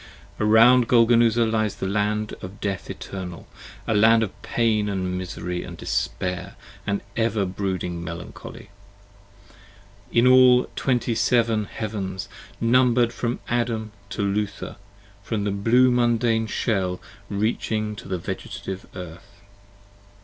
30 Around Golgonooza lies the land of death eternal: a Land Of pain and misery and despair and ever brooding melancholy: In all the Twenty seven Heavens, numbered from Adam to Luther: From the blue Mundane Shell, reaching to the Vegetative Earth.